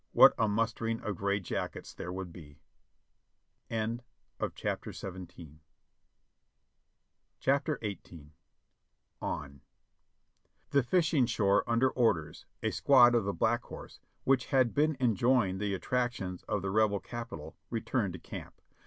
what a mustering of gray jackets there would be. CHAPTER XVIII ON the; fishing shore Under orders, a squad of the Black Horse, which had been en joying the attractions of the Rebel Capital, returned to camp.